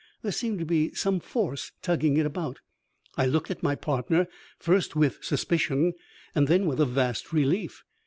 There seemed to be some force tugging it about. I looked at my partner, first with suspicion, and then with a vast relief.